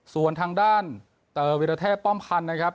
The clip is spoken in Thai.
ส่วนทางด้านเตอร์วิรเทพฯป้อมคันนะครับ